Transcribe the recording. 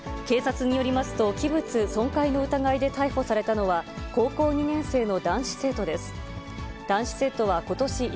警察によりますと、器物損壊の疑いで逮捕されたのは、高校２年生の男子生徒です。